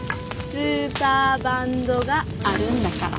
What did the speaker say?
スーパーバンドがあるんだから。